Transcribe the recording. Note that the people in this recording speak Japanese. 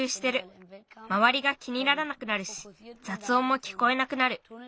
まわりが気にならなくなるしざつおんもきこえなくなる。